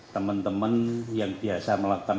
teman teman yang biasa melakukan